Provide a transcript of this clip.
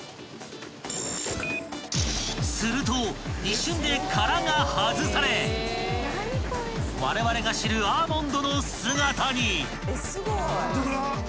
［すると一瞬で殻が外されわれわれが知るアーモンドの姿に］